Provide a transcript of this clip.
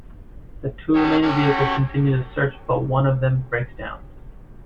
The two remaining vehicles continue the search but one of them breaks down.